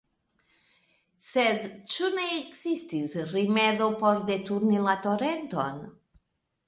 Sed ĉu ne ekzistis rimedo por deturni la torenton?